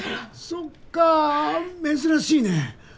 そっかぁ珍しいね。